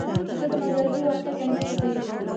زه د مجازي واقعیت عینکې تجربه کوم.